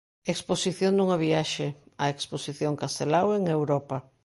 Exposición dunha viaxe. A exposición Castelao en Europa.